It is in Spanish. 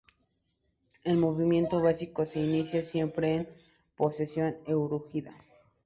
El movimiento básico se inicia siempre en posición erguida.